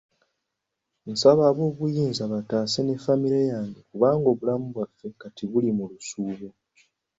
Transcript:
Nsaba aboobuyinza bantaase ne ffamire yange kubanga obulamu bwaffe kati buli mu lusuubo.